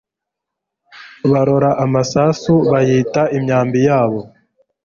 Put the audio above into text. Barora amasasu bayita imyambi yabo